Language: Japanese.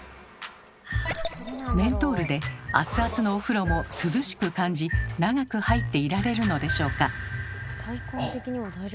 メントールで熱々のお風呂も涼しく感じ長く入っていられるのでしょうか。